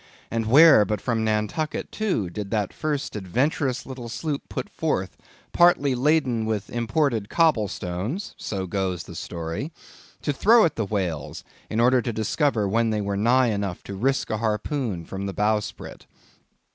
And where but from Nantucket, too, did that first adventurous little sloop put forth, partly laden with imported cobblestones—so goes the story—to throw at the whales, in order to discover when they were nigh enough to risk a harpoon from the bowsprit?